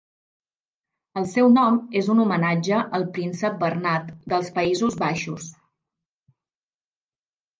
El seu nom és un homenatge al príncep Bernat dels Països Baixos.